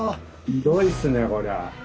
ひどいっすねこりゃ。